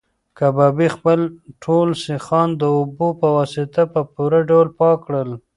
کبابي خپل ټول سیخان د اوبو په واسطه په پوره ډول پاک کړل.